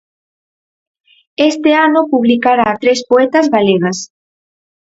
Este ano publicará tres poetas galegas.